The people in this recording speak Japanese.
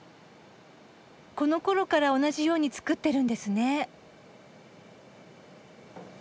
このころから同じように作ってるんですね。